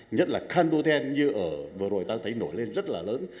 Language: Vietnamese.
nhất là kandoten như vừa rồi ta thấy nổi lên rất là lớn